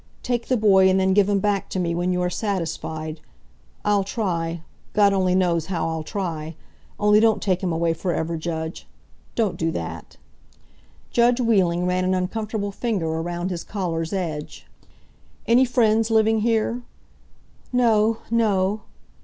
Take the boy and then give him back to me when you are satisfied. I'll try God only knows how I'll try. Only don't take him away forever, Judge! Don't do that!" Judge Wheeling ran an uncomfortable finger around his collar's edge. "Any friends living here?" "No! No!"